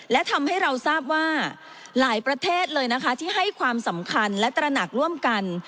และทำให้เราทราบว่าหลายประเทศเลยนะคะที่ให้ความสำคัญและตระหนักร่วมกัน